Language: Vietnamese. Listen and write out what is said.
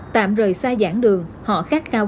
tạm rời xa giảng đường họ khát khao